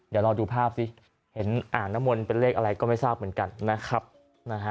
เดี๋ยวรอดูภาพสิเห็นอ่างน้ำมนต์เป็นเลขอะไรก็ไม่ทราบเหมือนกันนะครับนะฮะ